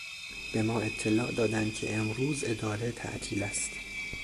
به ما اطلاع دادند که امروز اداره تعطیل است.